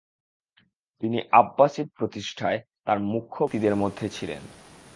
তিনি আব্বাসিদ প্রতিষ্ঠায় তার মূখ্য ব্যক্তিদের মধ্যে ছিলেন।